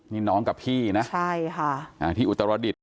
นี่น้องกับพี่นะที่อุตรดิต